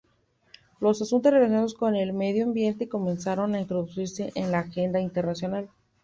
Los asuntos relacionados con el medio ambiente comenzaron a introducirse en la agenda internacional.